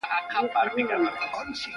ښایست د هیلې تود رڼا ده